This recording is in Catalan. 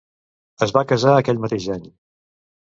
Es va casar aquell mateix any.